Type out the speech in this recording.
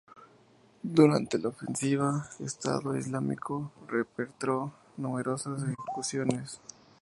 Durante la ofensiva, Estado Islámico perpetró numerosas ejecuciones.